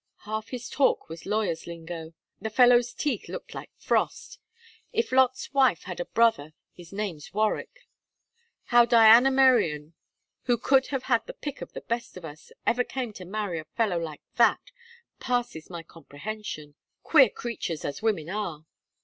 Half his talk was lawyers' lingo. The fellow's teeth looked like frost. If Lot's wife had a brother, his name's Warwick. How Diana Merion, who could have had the pick of the best of us, ever came to marry a fellow like that, passes my comprehension, queer creatures as women are!